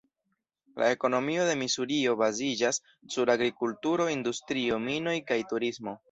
La ekonomio de Misurio baziĝas sur agrikulturo, industrio, minoj kaj turismo.